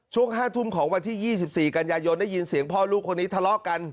ช่วง๕ทุ่มของวันที่๒๔กันยายนได้ยินเสียงพ่อลูกคนนี้ทะเลาะกัน